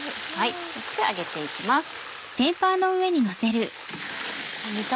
そして上げて行きます。